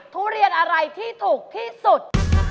ทุเรียนอะไรที่ถูกที่สุด